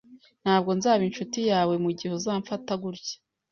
Ntabwo nzaba inshuti yawe mugihe uzamfata gutya